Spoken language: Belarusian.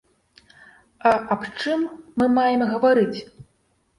А аб чым мы маем гаварыць?